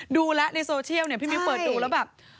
ดูแล้วในโซเชียลเนี่ยพี่มิ้วเปิดดูแล้วแบบ